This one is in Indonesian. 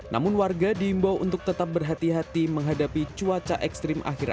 namun warga diimbau untuk tetap berhati hati menghadapi cuaca ekstrim akhir akhir